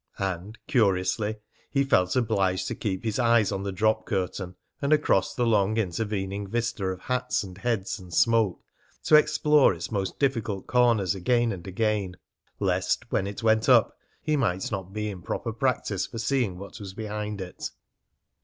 And, curiously, he felt obliged to keep his eyes on the drop curtain, and across the long intervening vista of hats and heads and smoke, to explore its most difficult corners again and again, lest, when it went up, he might not be in proper practice for seeing what was behind it.